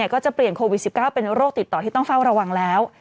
ก็จะเปลี่ยนโควิด๑๙เป็นโรคติดต่อที่ต้องเฝ้าระวังแล้ว